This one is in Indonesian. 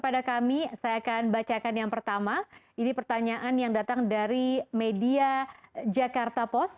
dan yang datang dari media jakarta post